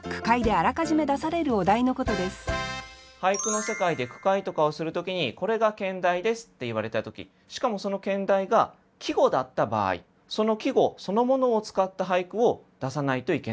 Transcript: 俳句の世界で句会とかをする時にこれが兼題ですって言われた時しかもその兼題が季語だった場合その季語そのものを使った俳句を出さないといけないという。